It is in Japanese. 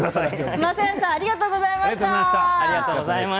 まさやんさんありがとうございました。